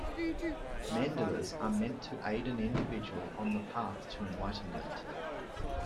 Mandalas are meant to aid an individual on the path to enlightenment.